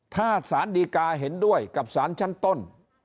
ถ้าสารดีกาเห็นด้วยกับสารชั้นต้น